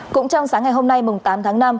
cũng trong sáng ngày hôm nay tám tháng năm